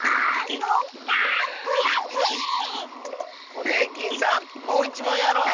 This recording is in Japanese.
ホネーキンさんもういちもんやろう！